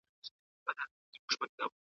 نور خپلي ويني